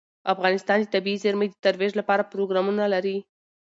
افغانستان د طبیعي زیرمې د ترویج لپاره پروګرامونه لري.